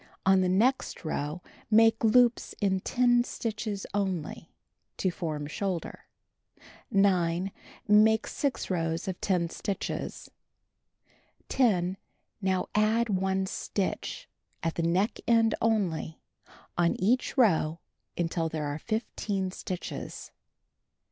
On the next row make loops in 10 stitches only — to form shoulder. 9. Make 6 rows of 10 stitches. 10. Now add 1 stitch, at the neck end only, on each row until there are 15 stitches.